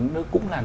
nó cũng là